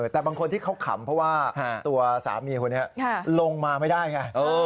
แต่บางคนที่เขาขำเพราะว่าตัวสามีคนนี้ลงมาไม่ได้ไง